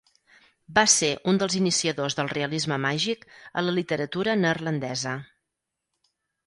Va ser uns dels iniciadors del realisme màgic a la literatura neerlandesa.